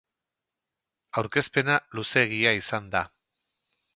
Aurkezpena luzeegia izan da.